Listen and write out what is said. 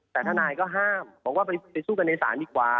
แต่ทนายก็ห้ามบอกว่าไปสู้กันในศาลดีกว่า